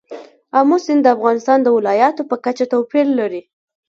آمو سیند د افغانستان د ولایاتو په کچه توپیر لري.